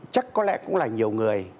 chắc có lẽ cũng là nhiều người